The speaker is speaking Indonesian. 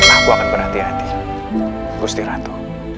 aku akan berhati hati gusti ratu